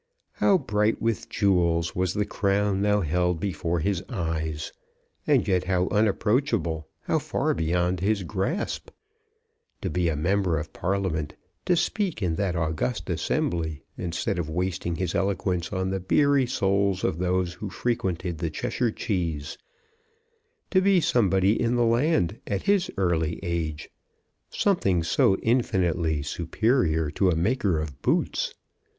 How bright with jewels was the crown now held before his eyes, and yet how unapproachable, how far beyond his grasp! To be a member of Parliament, to speak in that august assembly instead of wasting his eloquence on the beery souls of those who frequented the Cheshire Cheese, to be somebody in the land at his early age, something so infinitely superior to a maker of boots!